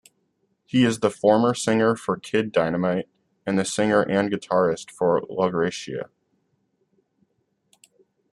He is the former singer for Kid Dynamite and singer and guitarist for LaGrecia.